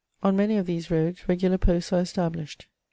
On many of these roads regular posts are established.